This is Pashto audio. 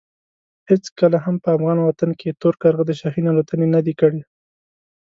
هېڅکله هم په افغان وطن کې تور کارغه د شاهین الوتنې نه دي کړې.